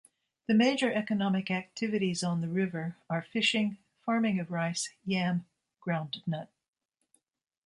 The major economic activities on the river are fishing, farming of rice, yam, groundnut.